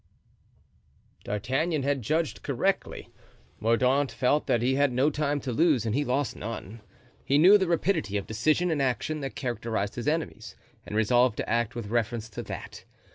D'Artagnan had judged correctly; Mordaunt felt that he had no time to lose, and he lost none. He knew the rapidity of decision and action that characterized his enemies and resolved to act with reference to that.